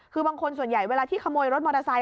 คือบางคนส่วนใหญ่เวลาที่ขโมยรถมอเตอร์ไซค